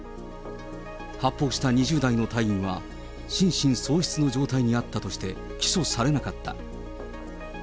発砲した２０代の隊員は、心神喪失の状態にあったとして、起訴されなかった。